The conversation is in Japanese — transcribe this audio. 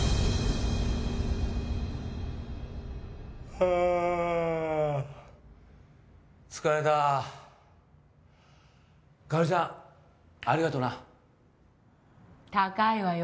ああ疲れたカオリさんありがとな高いわよ